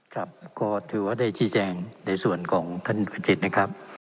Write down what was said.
ครับก็ถือว่าได้ชี้แจงในส่วนของท่านวิจิตนะครับ